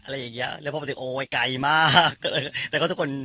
อะไรอย่างเงี้ยแล้วพอปฏิโอ๊ยไกลมากแล้วก็ทุกคน